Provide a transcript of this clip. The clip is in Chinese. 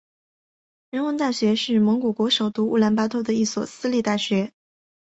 人文大学是蒙古国首都乌兰巴托的一所私立大学。